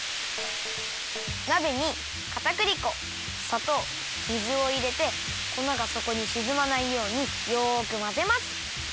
なべにかたくり粉さとう水をいれてこながそこにしずまないようによくまぜます。